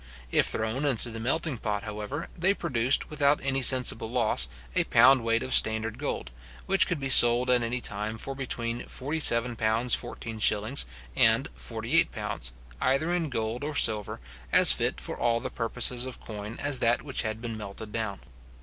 If thrown into the melting pot, however, they produced, without any sensible loss, a pound weight of standard gold, which could be sold at any time for between £47:14s. and £48, either in gold or silver, as fit for all the purposes of coin as that which had been melted down.